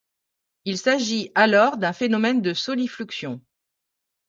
Il s'agit alors d'un phénomène de solifluxion.